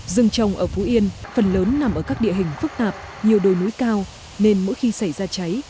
rừng trồng ở phú yên phần lớn nằm ở các địa hình phức tạp nhiều đồi núi cao nên mỗi khi xảy ra cháy